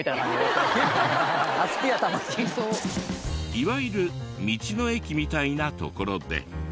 いわゆる道の駅みたいな所で。